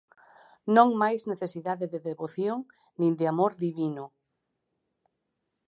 Non máis necesidade de devoción nin de amor divino.